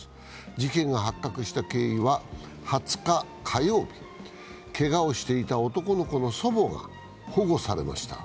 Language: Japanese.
事件が発覚した経緯は、２０日火曜日けがをしていた男の子の祖母が保護されました。